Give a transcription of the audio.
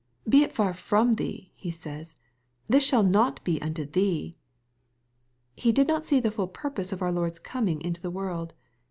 " Be it far from thee," he says, " this shall not be unto thee." He did not see the full purpose of our Lord's coming into the world.